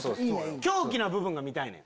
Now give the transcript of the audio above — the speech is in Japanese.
狂気な部分が見たいねん。